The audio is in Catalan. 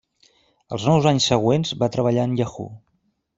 Els nou anys següents va treballar en Yahoo.